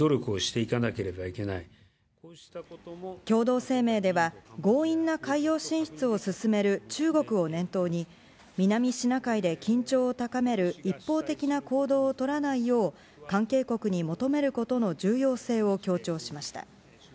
共同声明では強引な海洋進出を進める中国を念頭に南シナ海で緊張を高める一方的な行動をとらないよう関係国に求めることの重要性を強調しました。